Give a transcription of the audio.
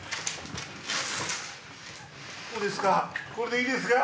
こうですか？